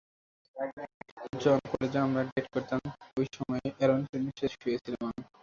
যখন কলেজে আমরা ডেট করতাম, অই সময়ে অ্যারন ট্রেনের সাথে শুয়েছিলাম আমি!